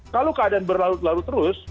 kalau keadaan berlarut larut terus